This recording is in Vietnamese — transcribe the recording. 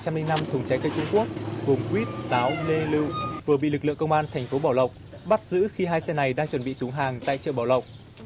chở ba trăm linh năm thùng trái cây trung quốc gồm quýt táo lê lưu vừa bị lực lượng công an thành phố bảo lộc bắt giữ khi hai xe này đang chuẩn bị xuống hàng tại chợ bảo lộc